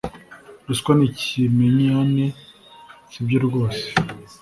ruswa n'ikimenyane, si byo rwose